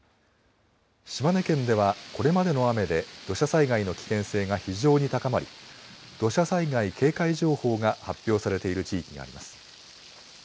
島根県ではこれまでの雨で土砂災害の危険性が非常に高まり土砂災害警戒情報が発表されている地域があります。